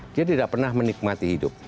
dia tidak pernah menikmati hidup